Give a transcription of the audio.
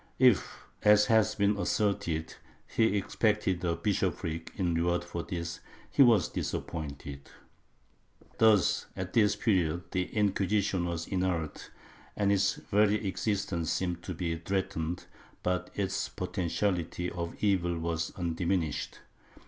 ^ If, as has been asserted, he expected a bishopric in reward for this, he was disappointed. Thus, at this period the Inquisition was inert and its very exist ence seemed to be threatened, but its potentiality of evil was undiminished.